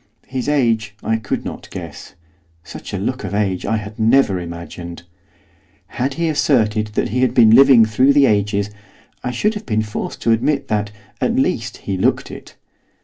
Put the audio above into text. His age I could not guess; such a look of age I had never imagined. Had he asserted that he had been living through the ages, I should have been forced to admit that, at least, he looked it.